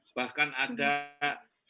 ada rasa ragu ragu sebagian